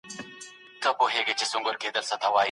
ویره یوازي ستاسو په ذهن کي ده.